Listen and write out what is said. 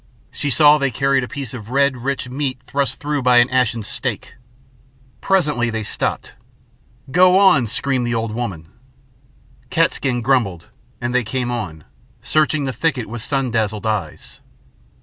She saw they carried a piece of rich red meat thrust through by an ashen stake. Presently they stopped. "Go on!" screamed the old woman. Cat's skin grumbled, and they came on, searching the thicket with sun dazzled eyes.